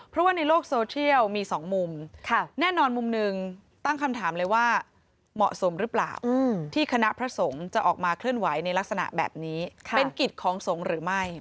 เพราะว่าในโลกโซเชียลมีสองมุมแน่นอนมุมหนึ่งตั้งคำถามเลยว่าเหมาะสมหรือเปล่าที่คณะพระสงฆ์จะออกมาเคลื่อนไหวในลักษณะแบบนี้เป็นกิจของสงฆ์หรือไม่